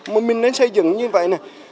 mà mình nên xây dựng như vậy nè